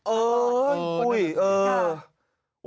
เอออุ๊ยเออ